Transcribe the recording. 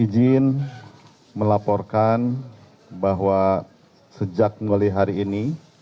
ijin melaporkan bahwa sejak mengalir hari ini